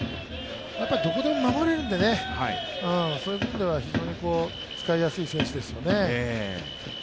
どこでも守れるのでそういう部分では非常に使いやすい選手ですよね。